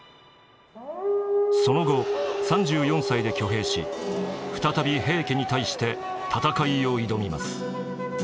その後３４歳で挙兵し再び平家に対して戦いを挑みます。